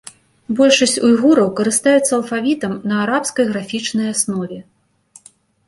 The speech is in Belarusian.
Большасць уйгураў карыстаюцца алфавітам на арабскай графічнай аснове.